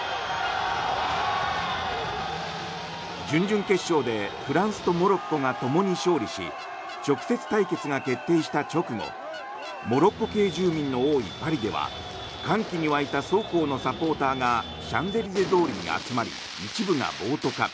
準々決勝でフランスとモロッコがともに勝利し直接対決が決定した直後モロッコ系住民の多いパリでは歓喜に沸いた双方のサポーターがシャンゼリゼ通りに集まり一部が暴徒化。